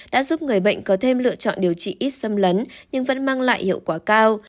đã giúp người bệnh có thêm lựa chọn điều trị ít xâm lấn nhưng vẫn mang lại hiệu quả cao